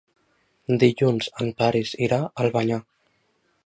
Dilluns en Peris irà a Albanyà.